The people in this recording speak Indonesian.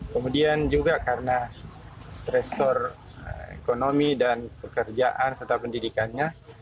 kemudian juga karena stressor ekonomi dan pekerjaan serta pendidikannya